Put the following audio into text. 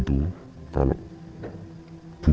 minta tolong untuk bantu